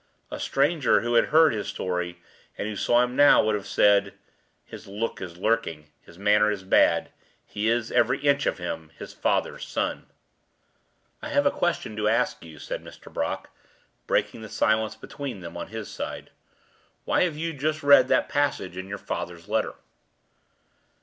A stranger who had heard his story, and who saw him now, would have said, "His look is lurking, his manner is bad; he is, every inch of him, his father's son." "I have a question to ask you," said Mr. Brock, breaking the silence between them, on his side. "Why have you just read that passage in your father's letter?"